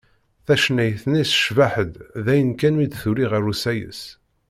Tacennayt-nni tcebbeḥ-d dayen kan mi d-tuli ɣer usayes.